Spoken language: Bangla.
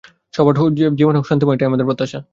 সবার জীবন হোক শান্তিময় এটাই আমাদের প্রত্যাশা।